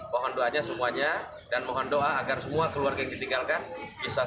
mohon doanya semuanya dan mohon doa agar semua keluarga yang ditinggalkan bisa